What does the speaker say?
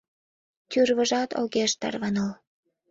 Тӱрвыжат огеш тарваныл.